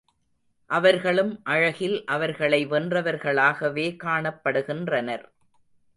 அவர்களும் அழகில் அவர்களை வென்றவர்களாகவே காணப்படுகின்றனர்.